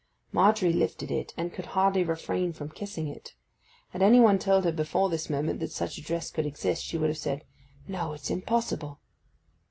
Margery lifted it, and could hardly refrain from kissing it. Had any one told her before this moment that such a dress could exist, she would have said, 'No; it's impossible!